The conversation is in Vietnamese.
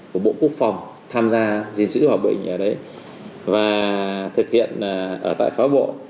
của bộ quốc phòng tham gia gìn giữ hòa bình ở đấy và thực hiện ở tại phái bộ